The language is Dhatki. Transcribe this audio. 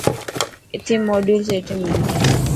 اٿي موڊيول سيٽم هي.